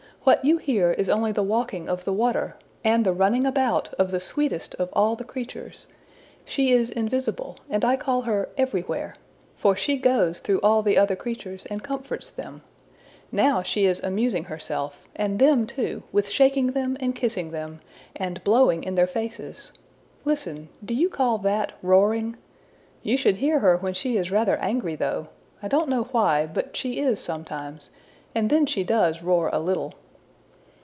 What you hear is only the walking of the water, and the running about of the sweetest of all the creatures. She is invisible, and I call her Everywhere, for she goes through all the other creatures, and comforts them. Now she is amusing herself, and them too, with shaking them and kissing them, and blowing in their faces. Listen: do you call that roaring? You should hear her when she is rather angry though! I don't know why, but she is sometimes, and then she does roar a little.''